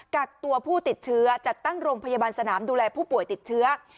กักตัวผู้ติดเชื้อจัดตั้งโรงพยาบาลสนามดูแลผู้ป่วยติดเชื้อ